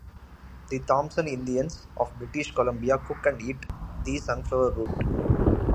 The Thompson Indians of British Columbia cook and eat the sunflower root.